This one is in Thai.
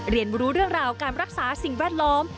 เรียนรู้เรื่องราวการรักษาสิ่งแวดล้อม